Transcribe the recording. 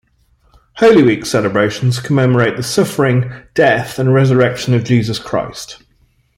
Holy week celebrations commemorate the suffering, death and resurrection of Jesus Christ.